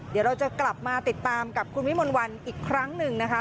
เดี๋ยวเราจะกลับมาติดตามกับคุณวิมนต์วันอีกครั้งหนึ่งนะคะ